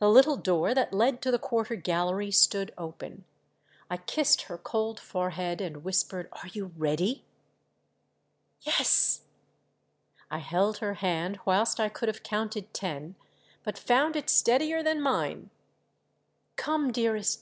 The little door that led to the quarter gallery stood open. I kissed her cold forehead, and whispered, "Are you ready .'^" "Yes!" I held her hand whilst T could have counted ten, but found it steadier than mine. MV POOR DARLING. 401 "Come, dearest!"